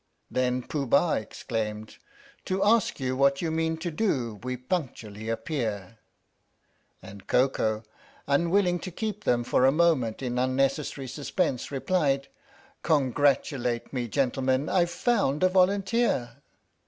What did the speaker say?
Then Pooh Bah exclaimed : To ask you what you mean to do we punctually appear. And Koko, unwilling to keep them for a moment in unnecessary suspense, replied : Congratulate me, gentlemen, I've found a volunteer